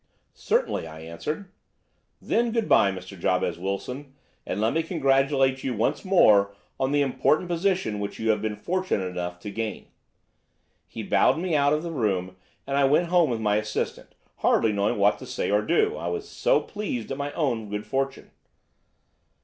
"'Certainly,' I answered. "'Then, good bye, Mr. Jabez Wilson, and let me congratulate you once more on the important position which you have been fortunate enough to gain.' He bowed me out of the room and I went home with my assistant, hardly knowing what to say or do, I was so pleased at my own good fortune.